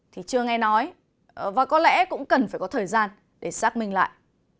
thì chưa nghe nói và có lẽ cũng cần phải có thời gian để xác minh lại